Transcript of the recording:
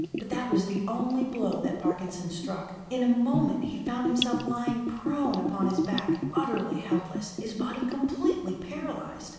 But that was the only blow that Parkinson struck; in a moment he found himself lying prone upon his back, utterly helpless, his body completely paralyzed.